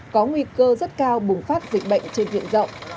có nguy cơ rất cao bùng phát dịch bệnh trên viện rộng